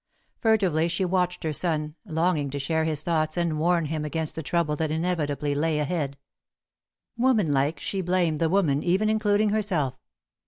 Furtively she watched her son, longing to share his thoughts and warn him against the trouble that inevitably lay ahead. Woman like, she blamed the woman, even including herself.